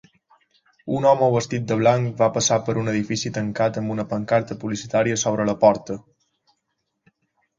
Un home vestit de blanc va passar per un edifici tancat amb una pancarta publicitària sobre la porta.